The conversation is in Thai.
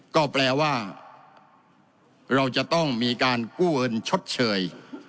ก็แปลว่าเราจะต้องมีการกู้เงินชดเชย